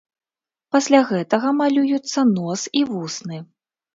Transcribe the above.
Пасля гэтага малююцца нос і вусны.